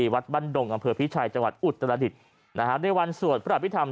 วัดบ้านดงอำเภอพิชัยจังหวัดอุตรดิษฐ์ในวันสวดพระอภิษฐรร